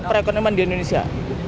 perekonomian di indonesia